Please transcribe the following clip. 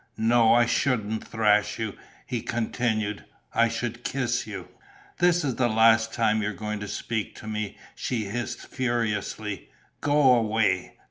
"No, I shouldn't thrash you," he continued. "I should kiss you." "This is the last time you're going to speak to me!" she hissed furiously. "Go away!